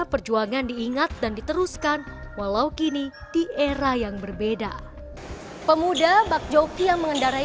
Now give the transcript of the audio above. perjuangan diingat dan diteruskan walau kini di era yang berbeda pemuda bakjoki yang mengendarai